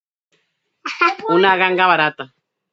Una ganga barata.